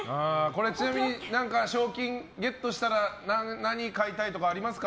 ちなみに、賞金ゲットしたら何、買いたいとかありますか？